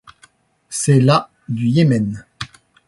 C'est la du Yémen.